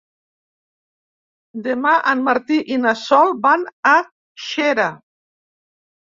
Demà en Martí i na Sol van a Xera.